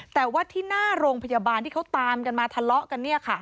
แต่ว่าที่หน้าโรงพยาบาลที่เขาตามกันมาทะเลาะกัน